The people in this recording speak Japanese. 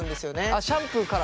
あっシャンプーから。